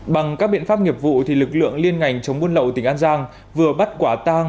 bằng các biện pháp nghiệp vụ lực lượng liên ngành chống buôn lậu tỉnh an giang vừa bắt quả tang